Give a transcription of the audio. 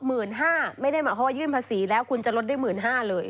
คือช็อป๑๕๐๐๐ไม่ได้เหมาะว่ายื่นภาษีแล้วคุณจะลดได้๑๕๐๐๐เลย